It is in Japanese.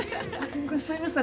すいません。